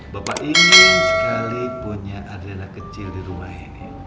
bapak ingin sekali punya adrena kecil di rumah ini